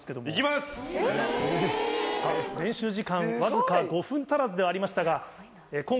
練習時間わずか５分足らずではありましたが。